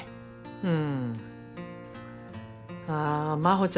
うん。